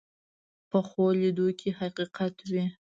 پخو لیدو کې حقیقت وي